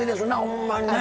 ほんまにね。